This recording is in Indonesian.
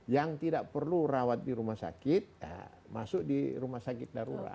yang tidak perlu rawat di rumah sakit masuk di rumah sakit darurat